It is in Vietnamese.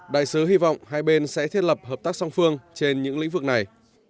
đại sứ hy vọng hai bên sẽ thiết lập hợp tác song phương trên những lĩnh vực này